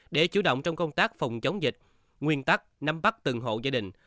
để chủ động trong công tác phòng chống dịch nguyên tắc nắm bắt từng hộ gia đình